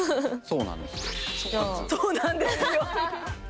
そうなんですよ。